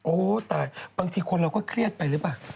ตายบางทีคนเราก็เครียดไปหรือเปล่า